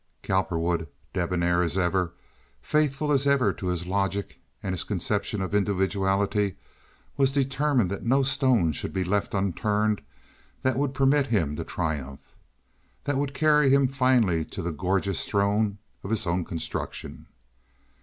Cowperwood, debonair as ever, faithful as ever to his logic and his conception of individuality, was determined that no stone should be left unturned that would permit him to triumph, that would carry him finally to the gorgeous throne of his own construction.